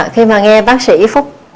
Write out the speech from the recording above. khi mà nghe bác sĩ phúc